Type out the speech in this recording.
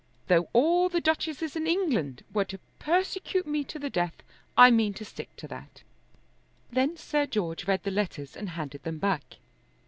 Though all the duchesses in England were to persecute me to the death I mean to stick to that." Then Sir George read the letters and handed them back.